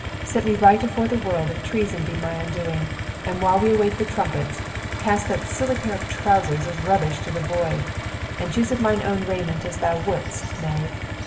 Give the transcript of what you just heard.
Set me right afore the world if treason be my undoing, and while we await the trumpets, cast that silly pair of trousers as rubbish to the void, and choose of mine own raiment as thou wouldst, knave!